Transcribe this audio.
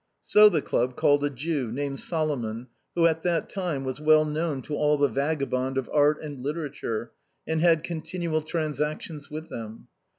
So the club called a Jew, named Salomon, who at that time was well known to all the vagabonddom of art and literature, and had con tinual transactions with them.